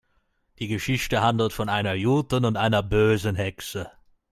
Die Geschichte handelt von einer guten und einer bösen Hexe.